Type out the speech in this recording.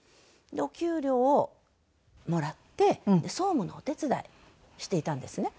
お給料をもらって総務のお手伝いしていたんですね。